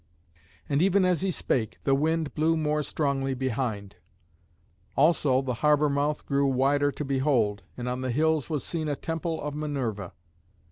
And even as he spake the wind blew more strongly behind. Also the harbour mouth grew wider to behold, and on the hills was seen a temple of Minerva.